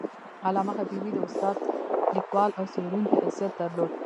علامه حبیبي د استاد، لیکوال او څیړونکي حیثیت درلود.